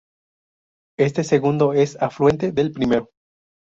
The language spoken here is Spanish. Este segundo es afluente del primero.